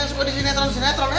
yang suka di sinetron sinetron